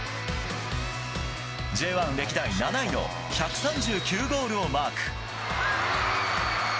Ｊ１歴代７位の１３９ゴールをマーク。